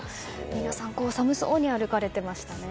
皆さん寒そうに歩かれてましたね。